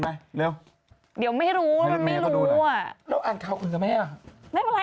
ไม่เอานุ่มด่านุ่มรู้จักเขาแล้ว